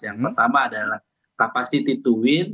yang pertama adalah capacity to walt